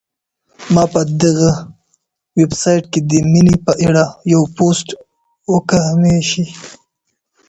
ما په دغه ویبسایټ کي د مننې په اړه یو پوسټ وکهمېشهی.